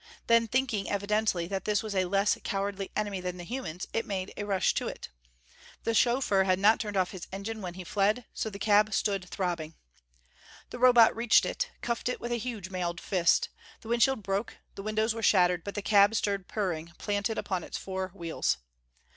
Then thinking evidently that this was a less cowardly enemy than the humans, it made a rush to it. The chauffeur had not turned off his engine when he fled, so the cab stood throbbing. The Robot reached it; cuffed it with a huge mailed fist. The windshield broke; the windows were shattered; but the cab stood purring, planted upon its four wheels.